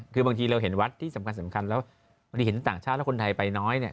คือบางทีเราเห็นวัดที่สำคัญแล้วบางทีเห็นต่างชาติแล้วคนไทยไปน้อยเนี่ย